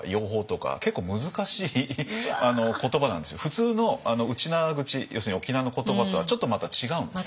普通のウチナーグチ要するに沖縄の言葉とはちょっとまた違うんですね。